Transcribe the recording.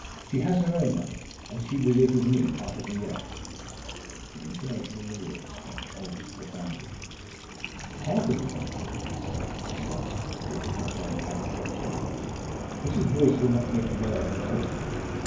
She has her own money, and she will live with me part of the year." The intonation in the words touched Aldous profoundly. "Part of the year?" he said, astonished, yet not knowing how to question her. "Mrs. Boyce will not make Mellor her home?"